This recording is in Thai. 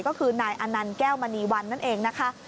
ก็คือนายอนันต์แก้วมณีวันนั่นเองนะคะ